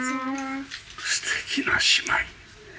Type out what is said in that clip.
素敵な姉妹。